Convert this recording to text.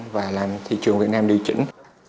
và làm thị trường việt nam điều chỉnh